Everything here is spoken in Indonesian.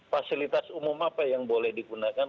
fasilitas umum apa yang boleh digunakan